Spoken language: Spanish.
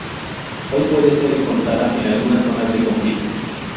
Hoy puede ser encontrada en algunas zonas de conflicto.